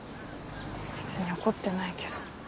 別に怒ってないけど。